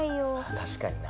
確かにな。